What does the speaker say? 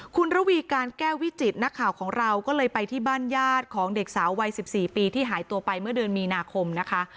คุณระวีการแก้ววิจิตนักข่าวของเราก็เลยไปที่บ้านญาติของเด็กสาววัย๑๔ปีที่หายตัวไปเมื่อเดือนมีนาคมนะคะ